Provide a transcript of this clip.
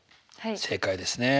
正解ですね。